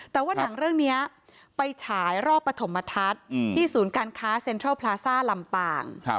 แต่ว่าหนังเรื่องนี้ไปฉายรอบปฐมทัศน์ที่ศูนย์การค้าเซ็นทรัลพลาซ่าลำปาง